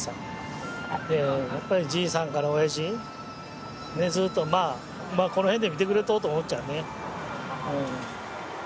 やっぱりじいさんからおやじずっとまあこの辺で見てくれとると思うっちゃね。